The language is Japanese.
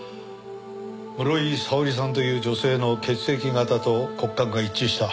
室井沙織さんという女性の血液型と骨格が一致した。